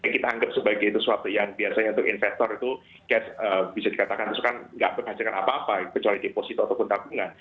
kita anggap sebagai itu suatu yang biasanya untuk investor itu bisa dikatakan tidak berhasilkan apa apa kecuali deposito ataupun tabungan